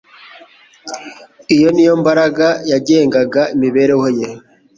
Iyo ni yo mbaraga yagengaga imibereho ye.